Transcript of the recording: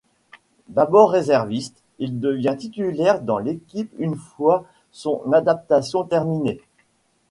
D'abord réserviste, il devient titulaire dans l'équipe une fois son adaptation terminée.